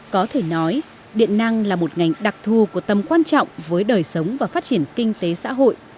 có thể nói điện năng là một ngành đặc thù của tầm quan trọng với đời sống và phát triển kinh tế xã hội